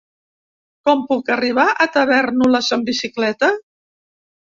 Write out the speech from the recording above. Com puc arribar a Tavèrnoles amb bicicleta?